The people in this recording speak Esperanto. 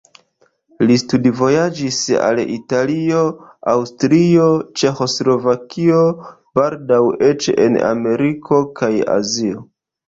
Li studvojaĝis al Italio, Aŭstrio, Ĉeĥoslovakio, baldaŭ eĉ en Ameriko kaj Azio.